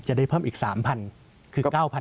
จะได้เพิ่มอีก๓๐๐๐